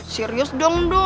serius dong duk